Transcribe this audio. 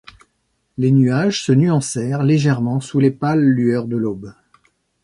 Les nuages se nuancèrent légèrement sous les pâles lueurs de l’aube.